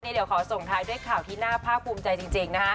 เดี๋ยวขอส่งท้ายด้วยข่าวที่น่าภาคภูมิใจจริง